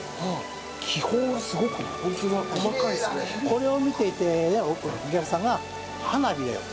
これを見ていてお客さんが「花火だよ」。